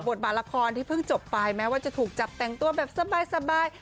บาทละครที่เพิ่งจบไปแม้ว่าจะถูกจับแต่งตัวแบบสบาย